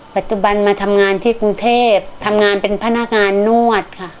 ปัจจุบันมาทำงานที่กรุงเทพทำงานเป็นพนักงานนวดค่ะ